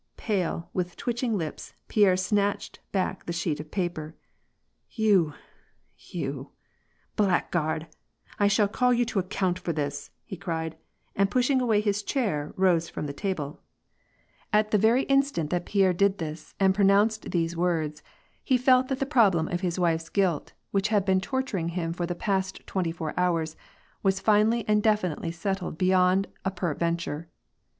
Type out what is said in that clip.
Pale, with twitching lips, Pierre snatched back the sheet of paper. " You — you — blackguard !— I shall call you to ac count for this !" he cried, and pushing away his chair rose from the table. • Bog 8 nim, durak : UtenHy, God be with him, fool or idiot." WAn AND PEACE, 23 At the very instant that Pierre did this, and pronounced these words, he felt that the problem of his wife's guilt, which had been torturing him for the pastJiwenty four hours, was finally and definitely settled beyond a peradventure.